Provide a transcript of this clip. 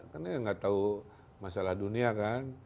karena gak tau masalah dunia kan